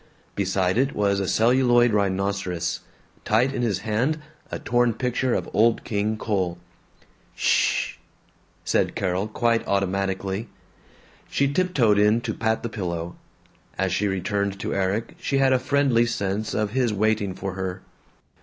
Beside it was a celluloid rhinoceros; tight in his hand a torn picture of Old King Cole. "Shhh!" said Carol, quite automatically. She tiptoed in to pat the pillow. As she returned to Erik she had a friendly sense of his waiting for her.